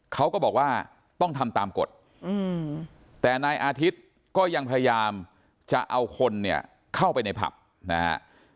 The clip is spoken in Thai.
เขาก็บอกว่าต้องทำตามกฎแต่นายอาทิตย์ก็ยังพยายามจะเอาคนเนี่ยเข้าไปในผับนะฮะ